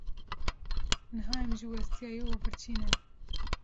Niha em jî westiyayî û birçî ne.